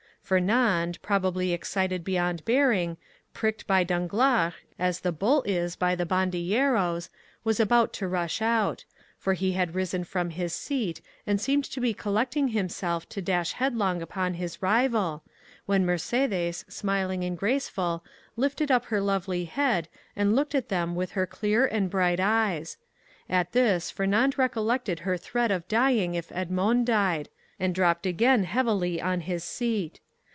0051m Fernand, probably excited beyond bearing, pricked by Danglars, as the bull is by the bandilleros, was about to rush out; for he had risen from his seat, and seemed to be collecting himself to dash headlong upon his rival, when Mercédès, smiling and graceful, lifted up her lovely head, and looked at them with her clear and bright eyes. At this Fernand recollected her threat of dying if Edmond died, and dropped again heavily on his seat.